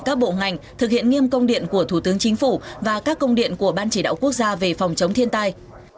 các bộ ngành thực hiện nghiêm công điện của thủ tướng chính phủ và các công điện của ban chỉ đạo quốc gia về phòng chống thiên tai